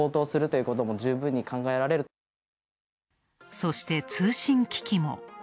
そして通信機器も。